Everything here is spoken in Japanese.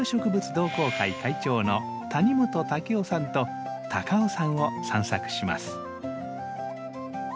同好会会長の谷本夫さんと高尾山を散策します。